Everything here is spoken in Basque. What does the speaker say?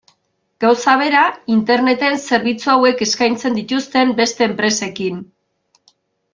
Gauza bera Interneten zerbitzu hauek eskaintzen dituzten beste enpresekin.